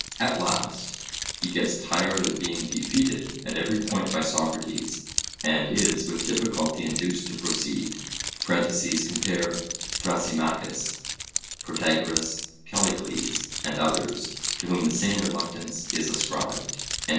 At last, he gets tired of being defeated at every point by Socrates, and is with difficulty induced to proceed (compare Thrasymachus, Protagoras, Callicles, and others, to whom the same reluctance is ascribed).